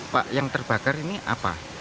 pak yang terbakar ini apa